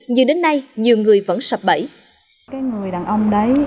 nhưng đến nay nhiều người vẫn sập bẫy